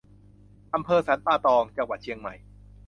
อำเภอสันป่าตอง จังหวัดเชียงใหม่